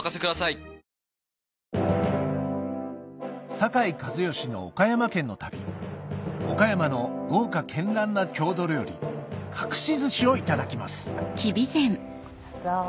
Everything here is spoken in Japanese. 酒井一圭の岡山県の旅岡山の豪華絢爛な郷土料理かくし寿司をいただきますどうぞ。